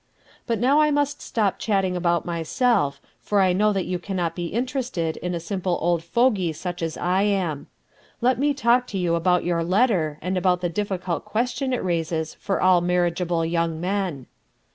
"But now I must stop chatting about myself, for I know that you cannot be interested in a simple old fogey such as I am. Let me talk to you about your letter and about the difficult question it raises for all marriageable young men.